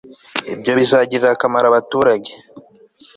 Ibyo bizagirira akamaro abaturage